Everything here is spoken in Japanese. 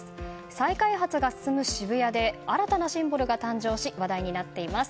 再開発が進む渋谷で新たなシンボルが誕生し話題になっています。